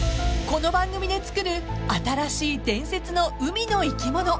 ［この番組で作る新しい伝説の海の生き物］